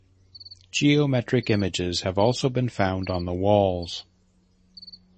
Geometric images have also been found on the walls.